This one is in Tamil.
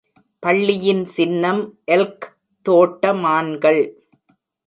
பள்ளியின் சின்னம், எல்க் தோட்ட மான்கள்.